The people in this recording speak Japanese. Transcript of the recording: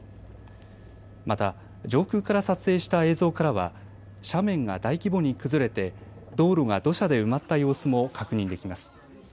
また、上空から撮影した映像からは斜面が大規模に崩れて道路が土砂で埋まった様子も確認できます。